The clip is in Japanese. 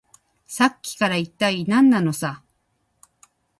さっきから、いったい何なのさ。